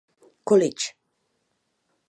College.